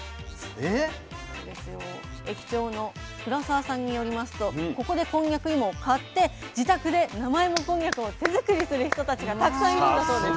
駅長の倉澤さんによりますとここでこんにゃく芋を買って自宅で生芋こんにゃくを手作りする人たちがたくさんいるんだそうです。